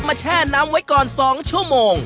แช่น้ำไว้ก่อน๒ชั่วโมง